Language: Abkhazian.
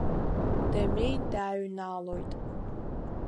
Дамеи дааҩналоит.